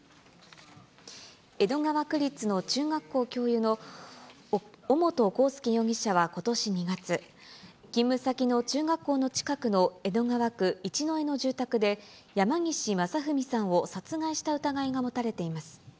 江戸川区立の中学校教諭の尾本幸祐容疑者はことし２月、勤務先の中学校の近くの江戸川区一之江の住宅で、山岸正文さんを殺害した疑いが持たれています。